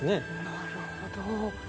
なるほど。